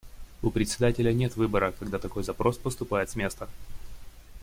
У Председателя нет выбора, когда такой запрос поступает с места.